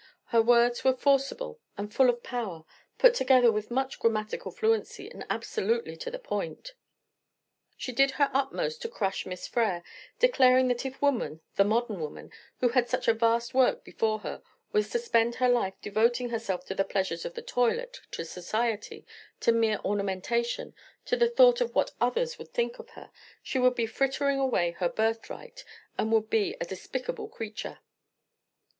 Her words were forcible and full of power, put together with much grammatical fluency, and absolutely to the point. She did her utmost to crush Miss Frere, declaring that if woman, the modern woman, who had such a vast work before her, was to spend her life devoting herself to the pleasures of the toilet, to society, to mere ornamentation, to the thought of what others would think of her, she would be frittering away her birthright, and would be a despicable creature.